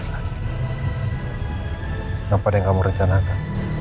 kenapa deh kamu rencanakan